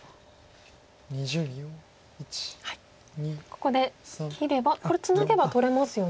ここで切ればこれツナげば取れますよね。